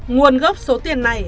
nguồn gốc số tiền này